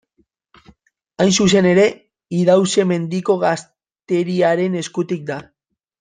Hain zuzen ere, Idauze-Mendiko gazteriaren eskutik da.